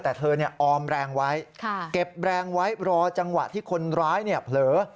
แต่เธอออมแรงไว้เก็บแรงไว้รอจังหวะที่คนร้ายเผลอ